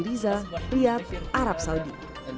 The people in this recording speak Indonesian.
diadakan oleh pembangunan arab saudi